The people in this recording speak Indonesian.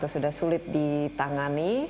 sudah sulit ditangani